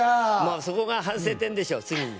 そこが反省点でしょ、普通に。